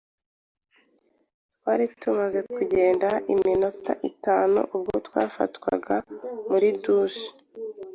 Twari tumaze kugenda iminota itanu ubwo twafatwaga muri douche.